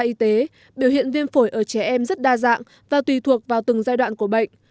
các chuyên gia y tế biểu hiện viêm phổi ở trẻ em rất đa dạng và tùy thuộc vào từng giai đoạn của bệnh